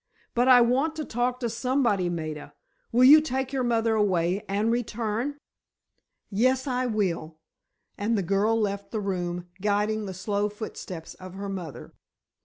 "But I want to talk to somebody, Maida. Will you take your mother away—and return?" "Yes, I will," and the girl left the room, guiding the slow footsteps of her mother.